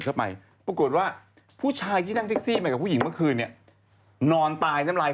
กลัวว่าผมจะต้องไปพูดให้ปากคำกับตำรวจยังไง